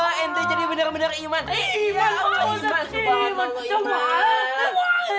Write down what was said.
allah ente jadi bener bener iman